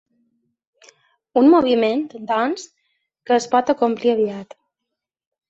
Un moviment, doncs, que es pot acomplir aviat.